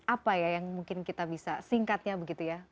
apa ya yang mungkin kita bisa singkatnya begitu ya